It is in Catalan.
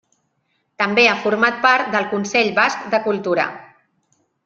També ha format part del Consell Basc de Cultura.